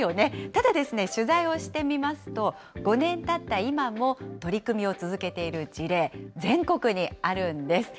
ただですね、取材をしてみますと、５年たった今も、取り組みを続けている事例、全国にあるんです。